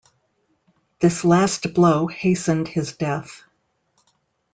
This last blow hastened his death.